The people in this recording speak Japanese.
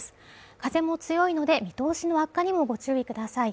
風も強いので見通しの悪化にもご注意ください